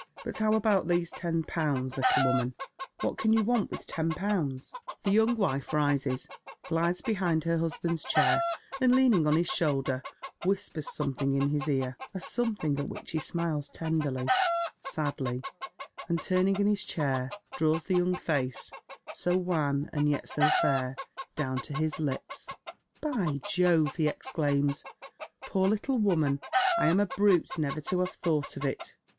But how about these ten pounds, little woman ? What can you want with ten pounds ?" The young wifa rises, glides behind her husband's chair, and, leaning on his shoulder, whispers something in his ear, a some thing at which he smiles tenderly, sadly, and, turning in his chair, draws the yoimg face — so wan and yet so fair — down to his lips. " By Jove !" he exclaims, " poor little woman, I am a brute, never to have thought of it.